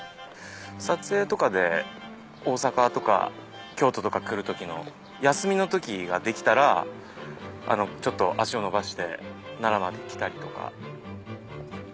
撮影とかで大阪とか京都とか来る時の休みの時ができたらちょっと足を延ばして奈良まで来たりとか。